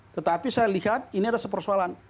tetapi saya lihat ini adalah sepersoalan